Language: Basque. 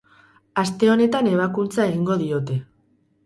Aste honetan ebakuntza egingo diote.